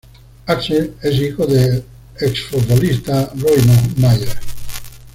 Axel es hijo del ex futbolista Roy Myers.